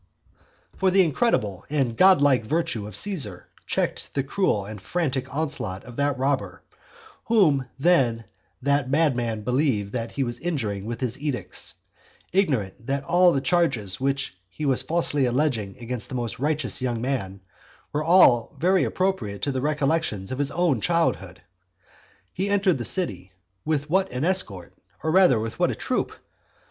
IX. For the incredible and godlike virtue of Caesar checked the cruel and frantic onslaught of that robber, whom then that madman believed that he was injuring with his edicts, ignorant that all the charges which he was falsely alleging against that most righteous young man, were all very appropriate to the recollections of his own childhood. He entered the city, with what an escort, or rather with what a troop!